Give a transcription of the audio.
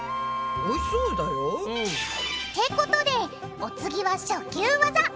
おいしそうだよ。ってことでお次は初級ワザ。